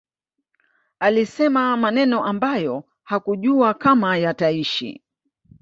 alisema maneno ambayo hakujua kama yataishi